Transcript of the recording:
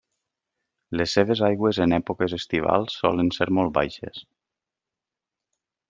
Les seves aigües en èpoques estivals solen ser molt baixes.